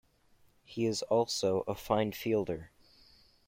He is also a fine fielder.